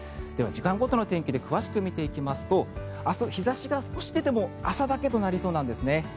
では、時間ごとの天気で詳しく見ていきますと明日、日差しが少し出ても朝だけとなりそうなんですね。